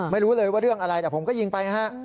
ไม่รู้เลยว่าเรื่องอะไรแต่ผมก็ยิงไปนะฮะ